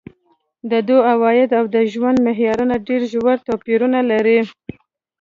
د دوی عواید او د ژوند معیارونه ډېر ژور توپیرونه لري.